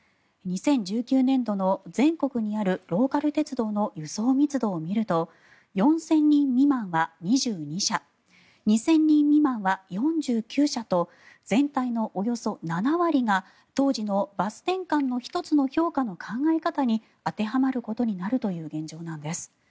２０１９年度の全国にあるローカル鉄道の輸送密度を見ると４０００人未満は２２社２０００人未満は４９社と全体のおよそ７割が当時のバス転換の１つの評価の考え方に当てはまることになるという現状なんです。